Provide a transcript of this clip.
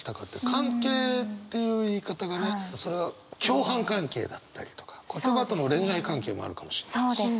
「関係」っていう言い方がねそれは共犯関係だったりとか言葉との恋愛関係もあるかもしれないし。